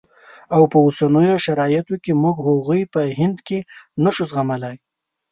او په اوسنیو شرایطو کې موږ هغوی په هند کې نه شو زغملای.